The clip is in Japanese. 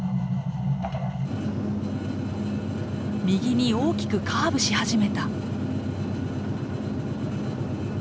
右に大きくカーブし始めた。